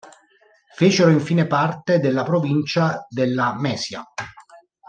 Fecero, infine, parte della provincia della Mesia.